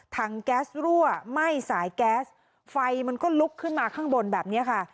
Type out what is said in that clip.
แก๊สรั่วไหม้สายแก๊สไฟมันก็ลุกขึ้นมาข้างบนแบบนี้ค่ะ